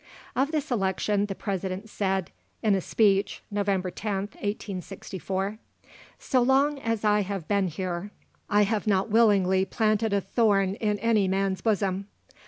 Of this election, the President said, in a speech (November 10th, 1864) "So long as I have been here, I have not willingly planted a thorn in any man's bosom.